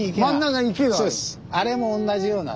あれも同じような。